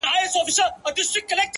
جدايي وخوړم لاليه” ستا خبر نه راځي”